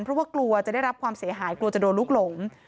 เพราะว่ากลัวจะได้รับความเสียหายกลัวจะโดนลูกหลง